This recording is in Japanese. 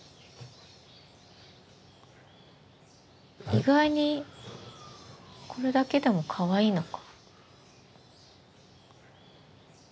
意外にこれだけでもかわいいのか。